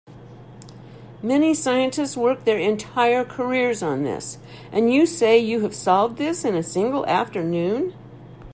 Many scientists work their entire careers on this, and you say you have solved this in a single afternoon?